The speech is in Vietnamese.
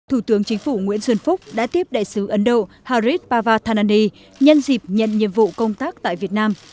thủ tướng chính phủ nguyễn xuân phúc đã tiếp đại sứ ấn độ harit parvathanani nhân dịp nhận nhiệm vụ công tác tại việt nam